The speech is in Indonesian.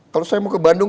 kalau saya mau ke bandung